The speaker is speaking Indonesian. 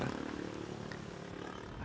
ada beberapa jalan yang bisa anda lakukan